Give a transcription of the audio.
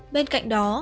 bên cạnh đó